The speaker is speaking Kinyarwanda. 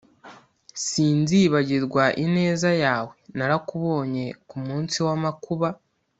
Sinzibagirwa ineza yawe narakubonye kumunsi wamakuba